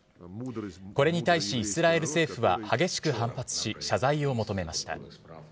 これに対し、イスラエル政府は激しく反発し、謝罪を求めました。